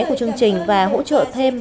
của chương trình và hỗ trợ thêm